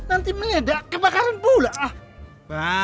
iti meledak kebakaran pula